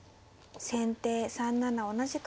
先手３七同じく金。